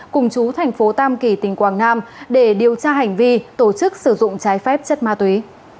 cùng chú thành phố tam kỳ tỉnh quảng nam để điều tra hành vi tổ chức sử dụng trái phép chất ma túy